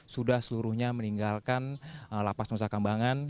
sudah seluruhnya meninggalkan lapas nusa kambangan